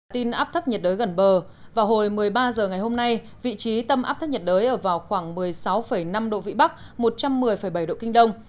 tin áp thấp nhiệt đới gần bờ vào hồi một mươi ba h ngày hôm nay vị trí tâm áp thấp nhiệt đới ở vào khoảng một mươi sáu năm độ vĩ bắc một trăm một mươi bảy độ kinh đông